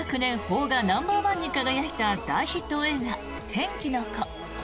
邦画ナンバーワンに輝いた大ヒット映画「天気の子」。